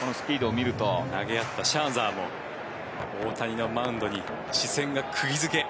投げ合ったシャーザーも大谷のマウンドに視線が釘付け。